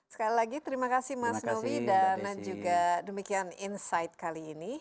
sekali lagi terima kasih mas novi dan juga demikian insight kali ini